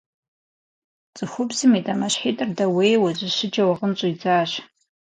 Цӏыхубзым и дамэщхьитӀыр дэуейуэ, зэщыджэу гъын щӀидзащ.